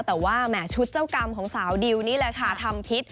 แต่ว่าแหมชุดเจ้ากรรมของสาวดิวนี่แหละค่ะทำพิษ